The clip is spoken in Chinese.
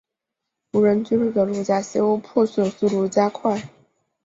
无人居住的陆家新屋破损速度加快。